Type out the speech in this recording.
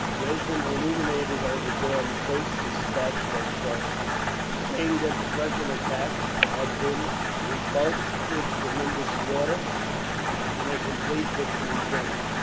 Dresden illuminated over Daun's first despatch from Torgau, saying that the Prussian attacks had been repulsed with tremendous slaughter, and a complete victory gained.